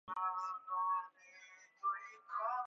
آن وقت جوان بود.